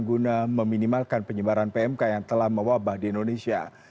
guna meminimalkan penyebaran pmk yang telah mewabah di indonesia